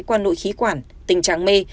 qua nội khí quản tình trạng mê